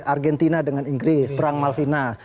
argentina dengan inggris perang malvina